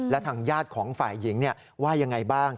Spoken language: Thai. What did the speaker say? และทางญาติของฝ่ายหญิงว่ายังไงบ้าง